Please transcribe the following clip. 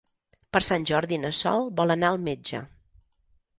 Per Sant Jordi na Sol vol anar al metge.